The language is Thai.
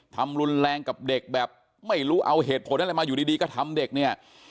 ทำรุนแรงกับเด็กแบบไม่รู้เอาเหตุผลอะไรมาอยู่ดีก็ทำเด็กเนี่ย